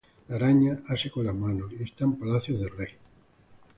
La araña, ase con las manos, Y está en palacios de rey.